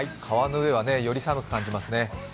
川の上はより寒く感じますね。